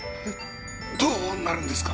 どうなるんですか？